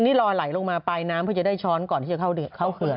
นี่รอไหลลงมาปลายน้ำเพื่อจะได้ช้อนก่อนที่จะเข้าเขื่อน